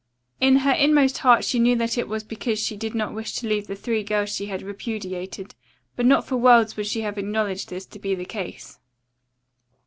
In her inmost heart she knew that it was because she did not wish to leave the three girls she had repudiated, but not for worlds would she have acknowledged this to be the case.